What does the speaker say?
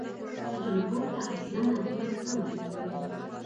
تجربو ته اصلاً اهمیت نه ورکوي.